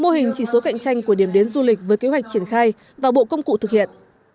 mô hình chỉ số cạnh tranh của điểm đến du lịch với kế hoạch triển khai và bộ công cụ thực hiện